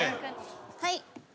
はい。